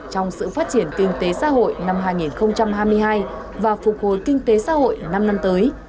trong sự phát triển kinh tế xã hội năm hai nghìn hai mươi hai và phục hồi kinh tế xã hội năm năm tới